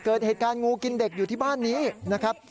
เกิดเหตุการณ์งูกินเด็กอยู่ที่บ้านนี้นะครับ